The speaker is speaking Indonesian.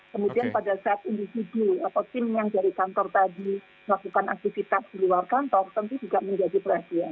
kemudian pada saat individu atau tim yang dari kantor tadi melakukan aktivitas di luar kantor tentu juga menjadi perhatian